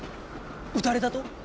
撃たれたと？